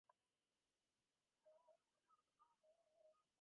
Cudmore says he "had a bit of trouble growing up".